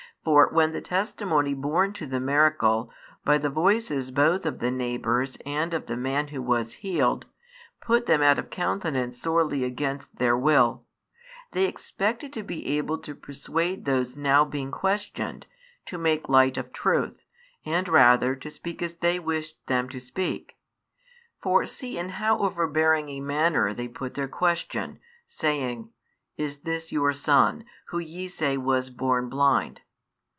For when the testimony borne to the miracle, by the voices both of the neighbours and of the man who was healed, put them out of countenance sorely against their will; they expected to be able to persuade those now being questioned, to make light of truth, and rather to speak as they wished them to speak. For see in how overbearing a manner they put their question, saying: Is this your son, who ye say was born blind?